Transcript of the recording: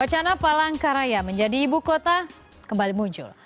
wacana palangkaraya menjadi ibu kota kembali muncul